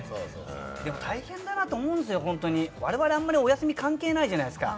でも、大変だなと思うんですよ、我々は、お休み関係ないじゃいなですか。